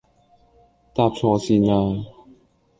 搭錯線呀